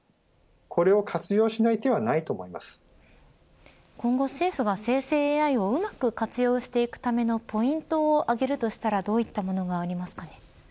これを活用しない手は今後政府が生成ＡＩをうまく活用していくためのポイントを挙げるとしたらどういったものがありますか。